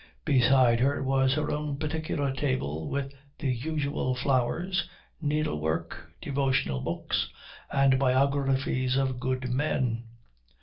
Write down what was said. Beside her was her own particular table with the usual flowers, needlework, devotional books, and biographies of good men.